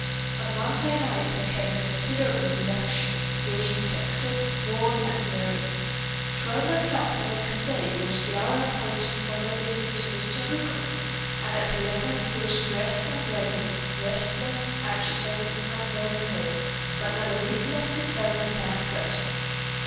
On Monday night there came a considerable reaction; he was dejected, worn, and weary. Twelve o'clock the next day was the hour appointed for their visit to Mr. Hooker, and at eleven he was dressed and ready restless, agitated, and very pale, but not a whit less determined than at first.